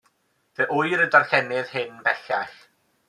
Fe ŵyr y darllenydd hyn bellach.